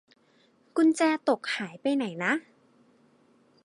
กุญแจตกหายไปไหนนะ